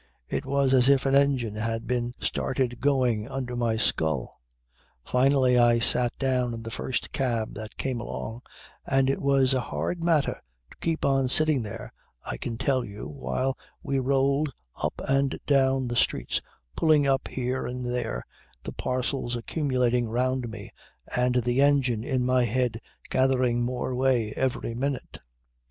It was as if an engine had been started going under my skull. Finally I sat down in the first cab that came along and it was a hard matter to keep on sitting there I can tell you, while we rolled up and down the streets, pulling up here and there, the parcels accumulating round me and the engine in my head gathering more way every minute.